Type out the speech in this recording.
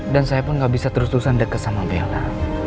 dan saya pun gak bisa terus terusan deket sama bella